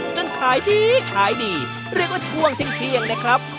ขายดีขายดีเรียกว่าช่วงเที่ยงนะครับ